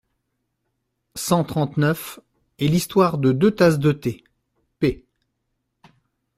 cent trente-neuf) et l'histoire des deux tasses de thé (p.